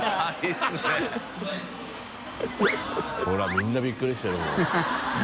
ほらみんなびっくりしてるもん。